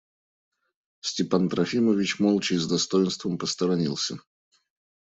Степан Трофимович молча и с достоинством посторонился.